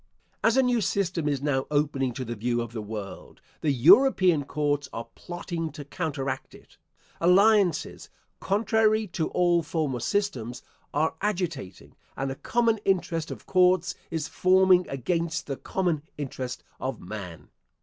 As a new system is now opening to the view of the world, the European courts are plotting to counteract it. Alliances, contrary to all former systems, are agitating, and a common interest of courts is forming against the common interest of man.